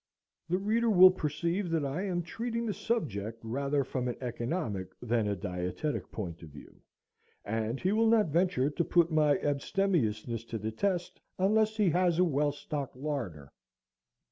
The reader will perceive that I am treating the subject rather from an economic than a dietetic point of view, and he will not venture to put my abstemiousness to the test unless he has a well stocked larder.